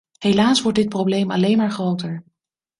Helaas wordt dit probleem alleen maar groter.